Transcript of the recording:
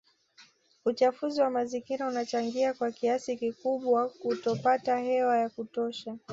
Uchafuzi wa mazingira unachangia kwa kiasi kikubwa kutopata hewa ya kutosha